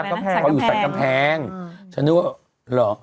แท้เขาอยู่สารก่ำแพงด้วยกำแพงใช่ฉันนึกว่าเหรอ